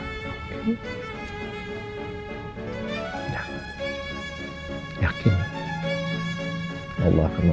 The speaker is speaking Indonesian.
yakin allah akan memberikan kesembuhan untuk kamu